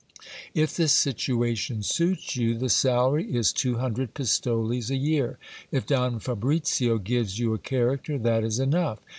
If the situation 268 GIL BLAS. suits you, the salary is two hundred pistoles a year. If Don Fabricio gives you a character, that is enough.